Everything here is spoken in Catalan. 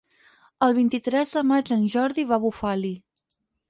El vint-i-tres de maig en Jordi va a Bufali.